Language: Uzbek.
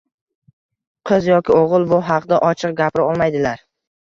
qiz yoki o‘g‘il bu haqda ochiq gapira olmaydilar.